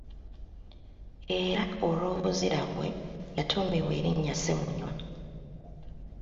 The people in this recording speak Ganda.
Era olw’obuzira bwe yatuumibwa erinnya Ssemunywa.